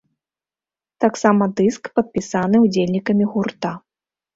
Таксама дыск падпісаны ўдзельнікамі гурта.